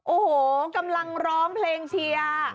โอ้โหกำลังร้องเพลงเชียร์